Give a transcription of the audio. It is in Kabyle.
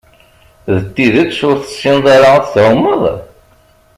D tidett ur tessineḍ ara ad tɛumeḍ?